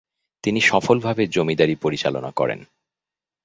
তিনি সফলভাবে জমিদারি পরিচালনা করেন।